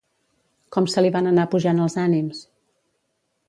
Com se li van anar pujant els ànims?